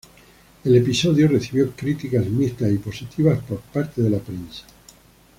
El episodio recibió críticas mixtas y positivas por parte de la prensa.